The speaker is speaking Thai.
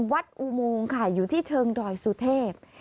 อุโมงค่ะอยู่ที่เชิงดอยสุเทพ